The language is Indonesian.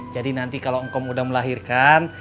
jadi nanti kalo ngkom udah melahirkan